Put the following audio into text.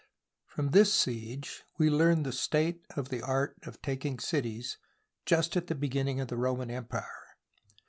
From this siege we learn the state of the art of taking cities just at the beginning of the Roman Empire.